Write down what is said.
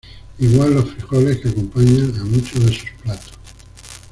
Igual los frijoles, que acompañan a muchos de sus platos.